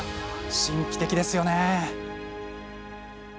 神秘的ですよね。